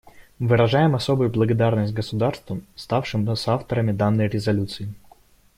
Выражаем особую благодарность государствам, ставшим соавторами данной резолюции.